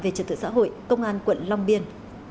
về trật tự xã hội công an quận long biên